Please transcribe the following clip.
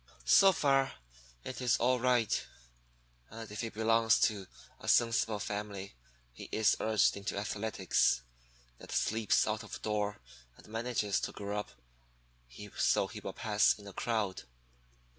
So far it is all right; and if he belongs to a sensible family, he is urged into athletics, and sleeps out of door and manages to grow up so he will pass in a crowd.